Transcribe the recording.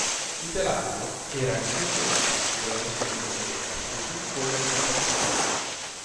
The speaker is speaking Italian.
Il telaio era anch'esso lo stesso della versione precedente, così come le prestazioni.